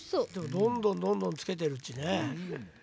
どんどんどんどんつけてるっちね。